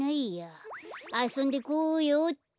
あそんでこようっと。